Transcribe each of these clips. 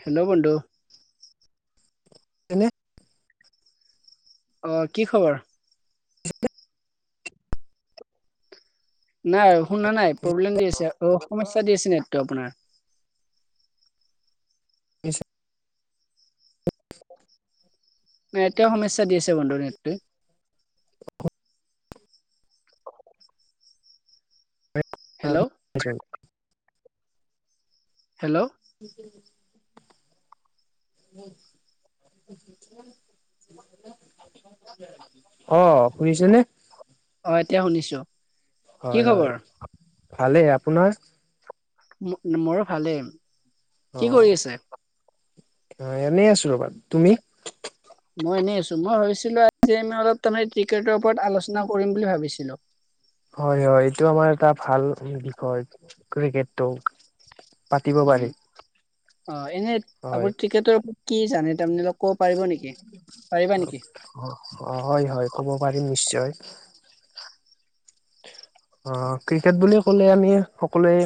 Hello বন্ধু! এনেই অ কি খবৰ? [unintelligible] নাই শুনা নাই প্ৰব্লেম দি আছে অ সমস্যা দি আছে নেটটো আপোনাৰ দিছে। এতিয়া সমস্যা দি আছে বোলো [inaudible] হেল্ল' [unintelligible] হেল্ল' [unintelligible] [inaudible] উহ। অ শুনিছে নে? হয় এতিয়া শুনিছো, কি হয় খবৰ? ভালেই। আপোনাৰ? মোৰো ভালেই কি কৰি আছে? অ এনেই আছো ৰ'বা তুমি? মই এনেই আছো মই ভাবিছিলো আজি আমি অলপ তাৰমানে ক্ৰিকেটৰ ওপৰত আলোচনা কৰিম বুলি ভাবিছিলো। হয়, হয় এইটো আমাৰ এটা ভাল বিষয় ক্ৰিকেটটো। পাতিব উম পাৰি অ এনে হয় আপুনি ক্ৰিকেটৰ ওপৰত কি জানে তাৰমানে ক অ, হয়-হয়, কব পাৰিম নিশ্চয়। অ ক্ৰিকেট বুলি ক'লে আমি সকলোৱে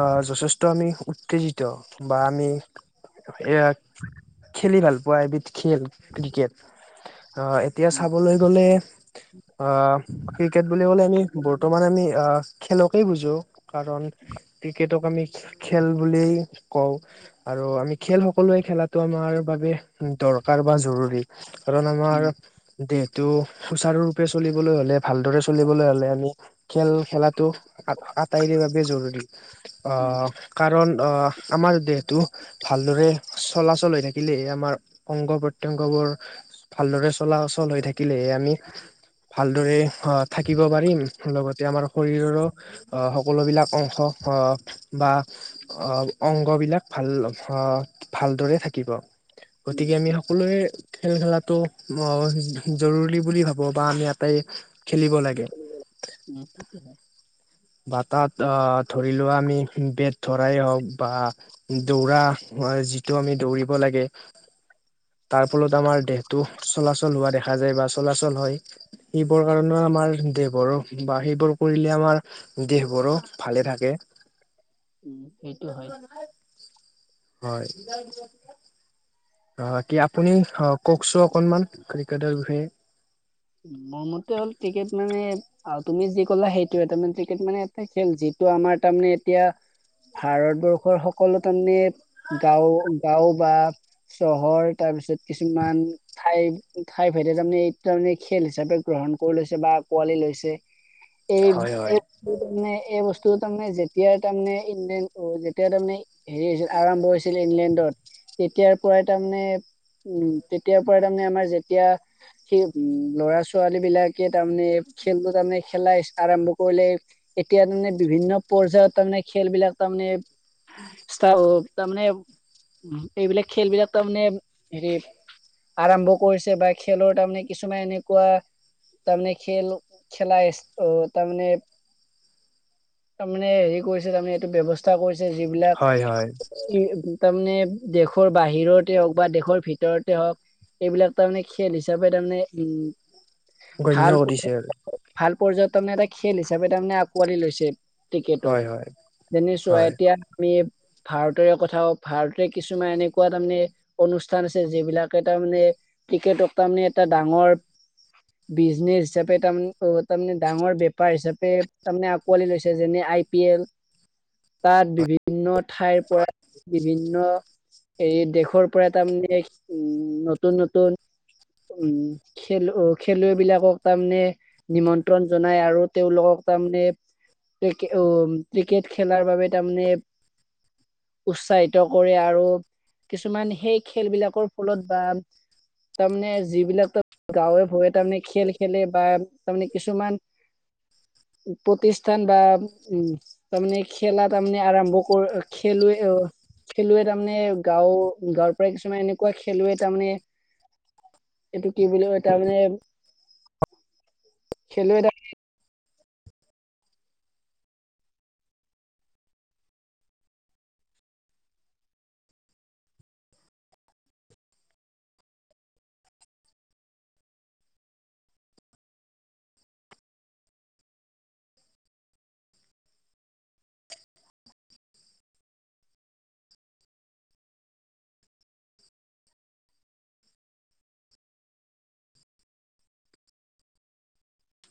আ যথেষ্ট আমি উত্তেজিত বা আমি এয়া খেলি ভাল পোৱা এবিধ খেল ক্ৰিকেট। অ এতিয়া উম চাবলৈ গলে অ ক্ৰিকেট বুলি কলে আমি বৰ্তমান আমি আ খেলকে বুজো কাৰণ ক্ৰিকেটক আমি খেল বুলিয়েই কওঁ আৰু আৰু আমি খেল সকলোৱে খেলাটো আমাৰ বাবে দৰকাৰ বা জৰুৰী। কাৰণ আমাৰ উম দেহটো সুচাৰুৰূপে চলিবলৈ হলে ভালদৰে চলিবলৈ হ'লে আমি খেল খেলাত আটাইৰে বাবে জৰুৰী অ উম কাৰণ অ আমাৰ দেহটো ভালদৰে চলাচল হৈ থাকিলেহে আমাৰ অংগ প্ৰতয়ংগবোৰ ভালদৰে চলাচল হৈ থাকিলেহে আমি ভালদৰে থাকিব পাৰিম। লগতে আমাৰ শৰীৰৰো সকলোবিলাক অংশ বা অ অংগবিলাক ভাল ভালদৰে থাকিব। উম গতিকে আমি সকলোৱে খেল খেলা অ জৰুৰী বুলি ভাবো বা আমি আটায়ে? [unintelligible] বেত ধৰাই হওঁক বা দৌৰা যিটো আমি দৌৰিব লাগে। তাৰ ফলত আমাৰ দেহটো চলাচল হোৱা দেখা যায় বা চলাচল হয় সেইবোৰ কাৰণে আমাৰ দেহবোৰো বা সেইবোৰ কৰিলে আমাৰ দেহবোৰো ভালে থাকে। উম সেইটো হয় হয়। অ কি আপুনি, অ কওঁকচোন অকণমান ক্ৰিকেটৰ বিষয়ে। মোৰ মতে হ'ল ক্ৰিকেট মানে তুমি যি ক'লা সেইটো তাৰে ক্ৰিকেট মানে এটা খেল যি টো আমাৰ তাৰমানে এতিয়া ভাৰতবৰ্ষৰ সকলো তাৰমানে গাওঁ গাঁও বা চহৰ তাৰপিছত কিছুমান ঠাই ঠাই ভেদে তাৰমানে এই তাৰমানে খেল হিচাপে গ্ৰহণ কৰি লৈছে বা আকোৱালি লৈছে, এই হয় হয়। মানে এই বস্তু তাৰমানে যেতিয়া তাৰমানে ইংলেণ্ড, অ যেতিয়া তাৰমানে হেৰি হৈছিল আৰম্ভ হৈছিল ইংলেণ্ডত তেতিয়াৰ পৰা তাৰমানে উম তেতিয়াৰ পৰা তাৰমানে আমাৰ যেতিয়া সে উম, ল'ৰা -ছোৱালী বিলাকে তাৰমানে খেলো তাৰমানে খেলা আৰম্ভ কৰিলে এতিয়া বিভিন্ন পৰ্যায়ত তাৰমানে খেল বিলাক তাৰমানে ষ্টাৰ তাৰমানে উ এইবিলাক খেলবিলাক তাৰমানে হে আৰম্ভ কৰিছে বা খেলৰ তাৰমানে কিছুমান এনেকুৱা তাৰমানে খেল খেলাই তাৰমানে তাৰমানে হেৰি কৰিছে, তাৰমানে এইটো ব্যৱস্থা কৰিছে যিবিলাক হয় হয় তাৰমানে দেশৰ বাহিৰতে হওঁক বা দেশৰ ভিতৰতে হওঁক। এইবিলাক তাৰমানে খেল হিচাপে তাৰমানে গণ্য ভাল কৰিছে আৰু। ভাল পৰ্যায়ত তাৰমানে এটা খেল হিচাপে তাৰে আকোৱালি লৈছে। ক্ৰিকেটক, হয় হয় যেনে চোৱা হয়। এতিয়া আমি ভাৰতৰে কথা ভাৰতে কিছুমান এনেকুৱা তাৰমানে অনুষ্ঠান আছে, যিবিলাকে তাৰমানে ক্ৰিকেটক তাৰমানে এটা ডাঙৰ বিজনেচ হিচাপে তাৰমানে অ তাৰমানে ডাঙৰ বেপাৰ হিচাপে তাৰমানে আঁকোৱালি লৈছে যেনে আ আই পি এল তাত বিভিন্ন ঠাইৰ পৰা বিভিন্ন এই দেশৰ পৰা তাৰমানে উম নতুন নতুন। উম খেল খেলুৱৈ বিলাকক তাৰমানে নিমন্ত্ৰণ জনাই আৰু তেওঁলোকক তাৰমানে। মানে ক্ৰিক উ ক্ৰিকেট খেলাৰ বাবে তাৰমানে। উৎসাহিত কৰে আৰু। কিছুমান সেই খেল বিলাকৰ ফলত বা তাৰমানে। যিবিলাক গাঁৱে ভূৰে তাৰমানে খেল খেলে বা তাৰমানে কিছুমান। প্ৰতিষ্ঠান বা উম তাৰমানে খেলা তাৰমানে আৰম্ভ কৰ খেলুৱে। খেলুৱৈ তাৰমানে গাঁওৰ গাঁৱৰ পৰা কিছুমান এনেকুৱা খেলুৱৈ তাৰমানে। এইটো কি বুলি তাৰ মানে খেলুৱৈ এটা।